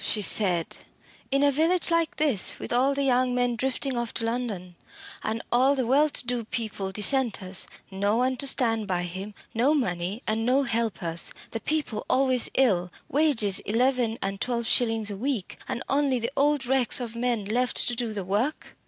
she said "in a village like this with all the young men drifting off to London, and all the well to do people dissenters no one to stand by him no money and no helpers the people always ill wages eleven and twelve shillings a week and only the old wrecks of men left to do the work!